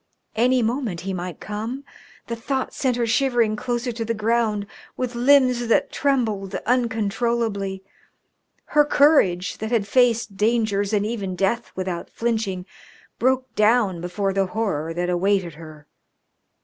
Any moment he might come; the thought sent her shivering closer to the ground with limbs that trembled uncontrollably. Her courage, that had faced dangers and even death without flinching, broke down before the horror that awaited her.